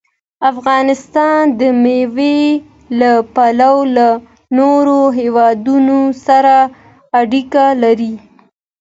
افغانستان د مېوې له پلوه له نورو هېوادونو سره اړیکې لري.